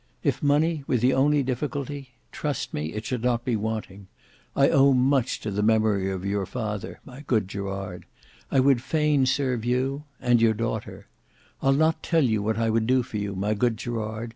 If money were the only difficulty, trust me, it should not be wanting; I owe much to the memory of your father, my good Gerard; I would fain serve you—and your daughter. I'll not tell you what I would do for you, my good Gerard.